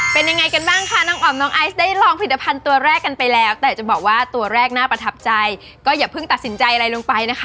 เป็นยังไงกันบ้างค่ะน้องอ๋อมน้องไอซ์ได้ลองผลิตภัณฑ์ตัวแรกกันไปแล้วแต่จะบอกว่าตัวแรกน่าประทับใจก็อย่าเพิ่งตัดสินใจอะไรลงไปนะคะ